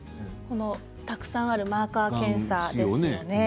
たくさんあるマーカー検査ですね。